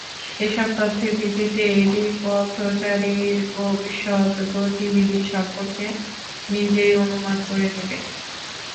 এসব তথ্যের ভিত্তিতে এটি পথচারীর ভবিষ্যৎ গতিবিধি সম্পর্কে নিজেই অনুমান করে নেবে।